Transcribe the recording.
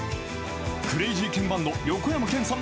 クレイジーケンバンド・横山剣さん